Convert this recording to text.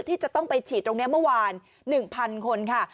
ที่จะต้องไปฉีดตรงเนี้ยเมื่อวานหนึ่งพันคนค่ะ